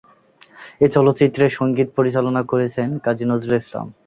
এই চলচ্চিত্রের সঙ্গীত পরিচালনা করেছেন কাজী নজরুল ইসলাম।